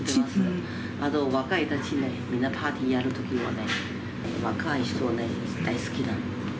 若い人たちがみんなパーティーやるときはね、若い人はね、大好きなの。